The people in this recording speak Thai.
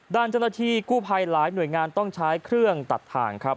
ด้านเจ้าหน้าที่กู้ภัยหลายหน่วยงานต้องใช้เครื่องตัดทางครับ